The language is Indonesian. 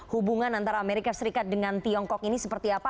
hubungan antara amerika serikat dengan tiongkok ini seperti apa